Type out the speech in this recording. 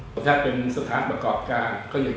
แต่ถ้าเป็นสถานประกอบกลาง